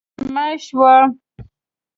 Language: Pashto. غرمه شوه